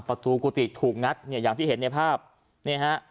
ประตูกุฏิถูกงัดอย่างที่เห็นในภาพเนี่ยฮะ